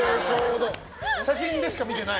写真でしか見てない？